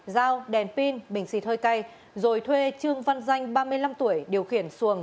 dao đèn pin bình xịt hơi cay rồi thuê trương văn danh ba mươi năm tuổi điều khiển xuồng